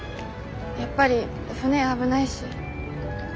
やっぱり船危ないし。